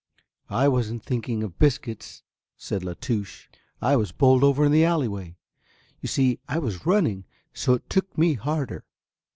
"I wasn't thinking of biscuits," said La Touche, "I was bowled over in the alley way. You see, I was running, so it took me harder.